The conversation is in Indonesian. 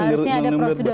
harusnya ada prosedur